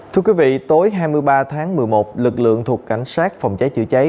thưa quý vị tối hai mươi ba tháng một mươi một lực lượng thuộc cảnh sát phòng cháy chữa cháy